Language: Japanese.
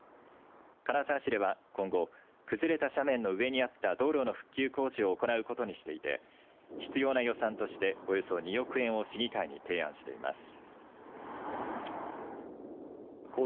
金沢市では今後崩れた斜面の上にあった道路の復旧工事を行うことにしていて必要な予算としておよそ２億円を市議会に提案しています。